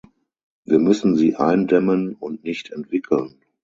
Wir müssen sie eindämmen und nicht entwickeln.